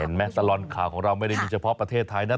ตลอดข่าวของเราไม่ได้มีเฉพาะประเทศไทยนะ